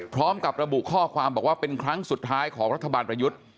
พร้อมกับระบุข้อความบอกว่าเป็นครั้งสุดท้ายของรัฐบาลประยุทธ์